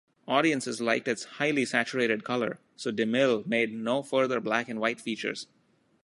Audiences liked its highly saturated color, so DeMille made no further black-and-white features.